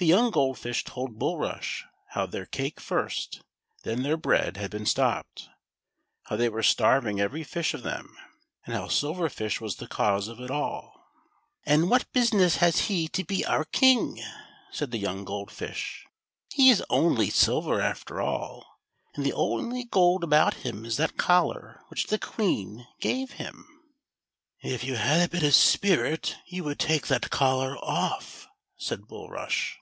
The young Gold Fish told Bulrush how their cake first, then their bread had been stopped ; how they were starving every fish of them ; and how Silver Fish was the cause of it all. "And what business has he to be our King.?" said the young Gold Fish; "he is only silver after all, and the only gold about him is in that collar which the Queen gave him." THE SILVER PIS IF. 37 "If you had a bit of spirit, you would take that coHar off," said Bidrush.